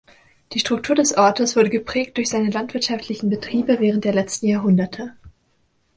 Die Struktur des Ortes wurde geprägt durch seine landwirtschaftlichen Betriebe während der letzten Jahrhunderte.